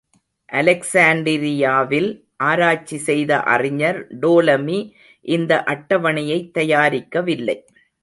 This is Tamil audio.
அலெக்சாண்டிரியாவில் ஆராய்ச்சி செய்த அறிஞர் டோலமி இந்த அட்டவணையைத் தயாரிக்கவில்லை.